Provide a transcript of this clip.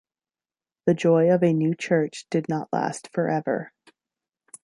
The joy of a new church did not last forever.